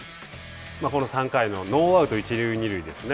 この３回のノーアウト、一塁二塁ですね。